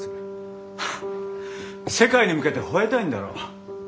ハッ世界に向けてほえたいんだろう？